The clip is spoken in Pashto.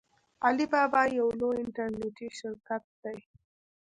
علي بابا یو لوی انټرنیټي شرکت دی.